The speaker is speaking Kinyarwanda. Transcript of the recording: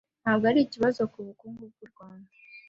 ntabwo arikibazo ku bukungu bw’u Rwanda